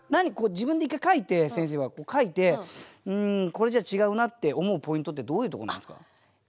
自分で一回書いて先生は書いて「うんこれじゃ違うな」って思うポイントってどういうところなんですか。